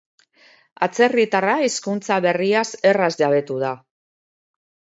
Atzerritarra hizkuntza berriaz erraz jabetu da.